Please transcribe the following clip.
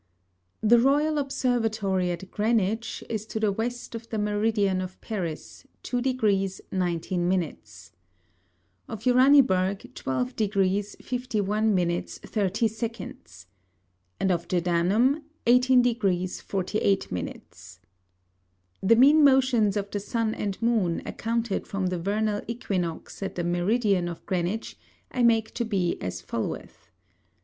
The Royal Observatory at Greenwich, is to the West of the Meridian of Paris, 2 degrees, 19 minutes. Of Uraniburgh, 12 degrees, 51 minutes, 30 seconds. And of Gedanum, 18 degrees, 48 minutes. The mean Motions of the Sun and Moon, accounted from the Vernal Æquinox at the Meridian of Greenwich, I make to be as followeth.